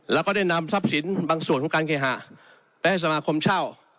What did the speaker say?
แล้วก็ได้นำทรัพย์สินบางส่วนของการเคหะไปให้สมาคมเช่า